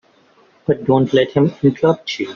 But don't let him interrupt you.